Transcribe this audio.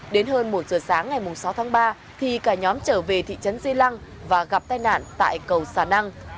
đến hơn một giờ sáng ngày sáu tháng ba thì cả nhóm trở về thị trấn di lăng và gặp tai nạn tại cầu xà năng